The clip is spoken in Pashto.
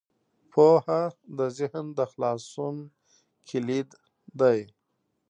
پوهه د ذهن د خلاصون کلید دی.